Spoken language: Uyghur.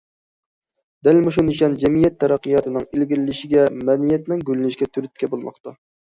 دەل مۇشۇ نىشان جەمئىيەت تەرەققىياتىنىڭ ئىلگىرىلىشىگە، مەدەنىيەتنىڭ گۈللىنىشىگە تۈرتكە بولماقتا.